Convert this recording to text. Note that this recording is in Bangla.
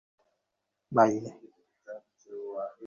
নিচের বাগানে বাড়িঅলার বড় মেয়েটি হাঁটছে।